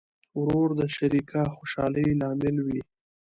ورور د شریکه خوشحالۍ لامل وي.